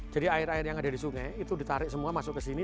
jadi air air yang ada di sungai itu ditarik semua masuk ke sini